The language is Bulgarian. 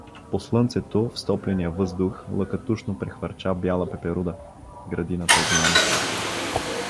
По слънцето, в стопления въздух, лъкатушно прехвърча бяла пеперуда… Градината е голяма.